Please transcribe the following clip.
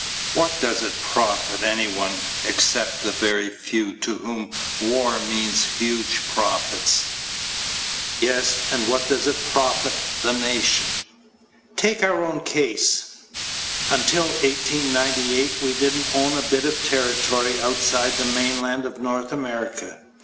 What does it profit anyone except the very few to whom war means huge profits? Yes, and what does it profit the nation? Take our own case. Until 1898 we didn't own a bit of territory outside the mainland of North America.